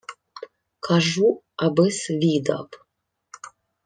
— Кажу, аби-с відав.